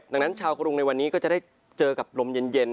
ดังนั้นชาวกรุงในวันนี้ก็จะได้เจอกับลมเย็น